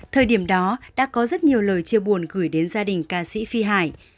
thời điểm đó đã có rất nhiều lời chia buồn gửi đến gia đình ca sĩ phi hải